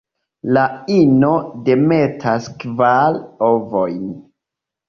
La ino demetas kvar ovojn.